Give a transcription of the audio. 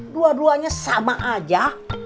dua duanya sama aja